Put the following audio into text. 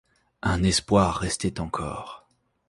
Un espoir restait encore.